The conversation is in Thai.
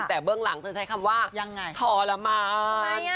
แต่เบื้องหลังเธอใช้คำว่าทรมาน